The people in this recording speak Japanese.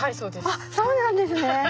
あっそうなんですね！